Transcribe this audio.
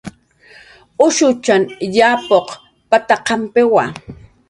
"Ushutxam yapuq p""at""aqampiwa"